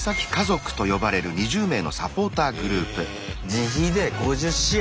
自費で５０試合！